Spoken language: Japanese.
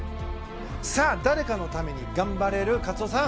さあ誰かのために頑張れるカツオさん！